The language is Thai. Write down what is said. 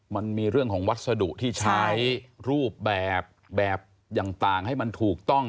มันมีเรื่องของวัสดุที่ใช้รูปแบบแบบต่างให้มันถูกต้อง